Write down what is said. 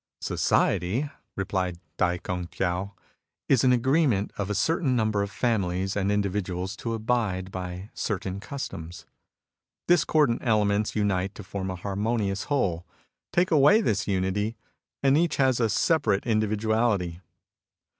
" Society," replied Tai Kimg Tiao, '' is an agreement of a certain number of families and individuals to abide by certain customs. Dis cordant elements unite to form a harmonious whole. Take away this unity, and each has a separate individuality.